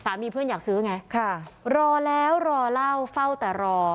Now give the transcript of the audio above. เพื่อนอยากซื้อไงค่ะรอแล้วรอเล่าเฝ้าแต่รอ